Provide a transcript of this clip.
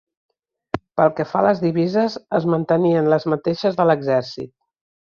Pel que fa a les divises es mantenien les mateixes de l'exèrcit.